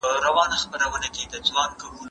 د رنګ لاندې توري پټ نسی پاتې کېدای.